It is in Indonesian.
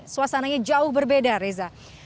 suasananya jauh berbeda reza